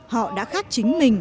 họ đã khác chính mình